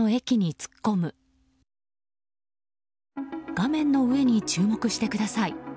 画面の上に注目してください。